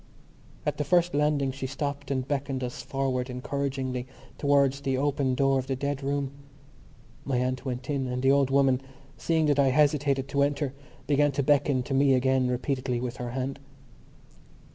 At the first landing she stopped and beckoned us forward encouragingly towards the open door of the dead room. My aunt went in and the old woman, seeing that I hesitated to enter, began to beckon to me again repeatedly with her hand.